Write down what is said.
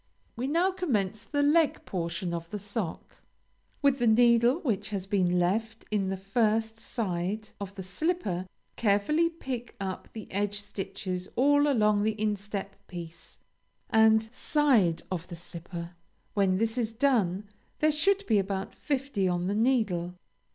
We now commence the leg portion of the sock. With the needle which has been left in the first side of the slipper carefully pick up the edge stitches all along the instep piece and side of the slipper; when this is done, there should be about fifty on the needle.